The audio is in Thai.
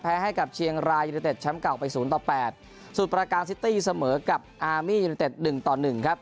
ให้กับเชียงรายยูนิเต็ดแชมป์เก่าไปศูนย์ต่อแปดสูตรประการซิตี้เสมอกับอามียูนิเต็ดหนึ่งต่อหนึ่งครับ